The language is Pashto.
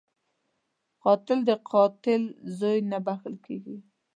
قاتل د قاتل زوی نه بخښل کېږي